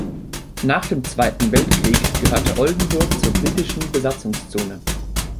Nach dem Zweiten Weltkrieg gehörte Oldenburg zur Britischen Besatzungszone.